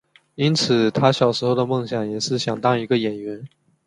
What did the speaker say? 因此他小时候的梦想也是想当一个演员。